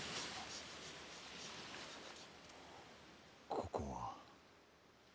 ここは？